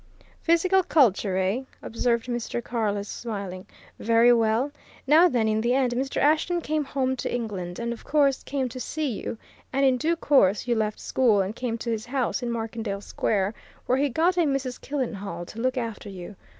"Physical culture, eh?" observed Mr. Carless, smiling. "Very well! Now, then, in the end Mr. Ashton came home to England, and of course came to see you, and in due course you left school, and came to his house in Markendale Square, where he got a Mrs. Killenhall to look after you.